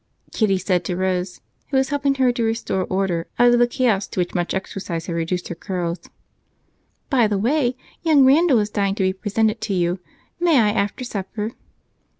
Kitty said to Rose, who was helping her to restore order out of the chaos to which much exercise had reduced her curls: "By the way, young Randal is dying to be presented to you. May I after supper?"